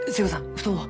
布団を。